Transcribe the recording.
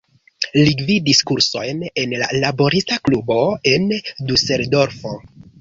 Li gvidis kursojn en laborista klubo en Duseldorfo.